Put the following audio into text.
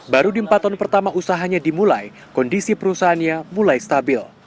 baru di empat tahun pertama usahanya dimulai kondisi perusahaannya mulai stabil